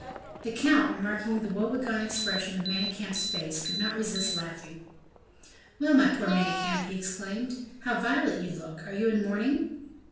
The count, remarking the woe begone expression of Manicamp's face, could not resist laughing. "Well, my poor Manicamp," he exclaimed, "how violet you look; are you in mourning?"